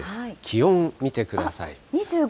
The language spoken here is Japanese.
気温見てください。